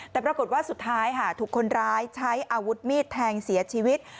แต่ปรากฏว่าสุดท้ายค่ะถูกคนร้ายใช้อาวุธมีดแทงเสียชีวิต